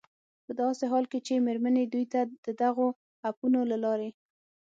په داسې حال کې چې مېرمنې دوی ته د دغو اپونو له لارې